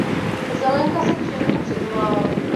Zelenka se k činům přiznal.